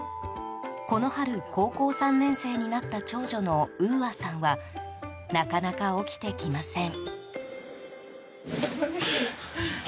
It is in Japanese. この春、高校３年生になった長女の羽々愛さんはなかなか起きてきません。